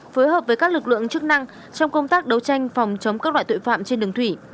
phối hợp với các lực lượng chức năng trong công tác đấu tranh phòng chống các loại tội phạm trên đường thủy